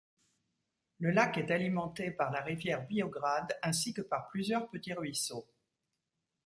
Le lac est alimenté par la rivière Biograd ainsi que par plusieurs petits ruisseaux.